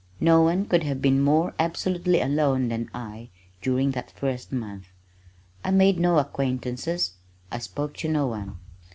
No one could have been more absolutely alone than I during that first month. I made no acquaintances, I spoke to no one.